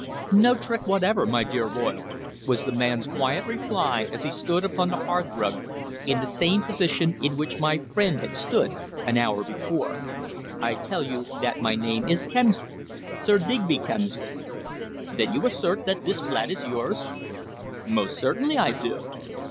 "No trick whatever, my dear Royle," was the man's quiet reply as he stood upon the hearthrug in the same position in which my friend had stood an hour before. "I tell you that my name is Kemsley Sir Digby Kemsley." "Then you assert that this flat is yours?" "Most certainly I do."